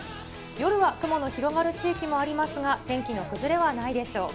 夜は雲の広がる地域もありますが、天気の崩れはないでしょう。